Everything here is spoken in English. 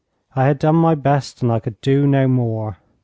I had done my best, and I could do no more.